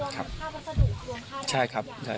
ค่ะใช่ครับ